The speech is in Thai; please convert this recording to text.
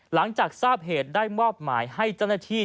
หลังจากทราบเหตุได้มอบหมายให้เจ้าหน้าที่